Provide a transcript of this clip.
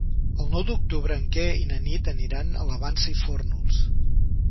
El nou d'octubre en Quer i na Nit aniran a la Vansa i Fórnols.